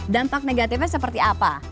dampak negatifnya seperti apa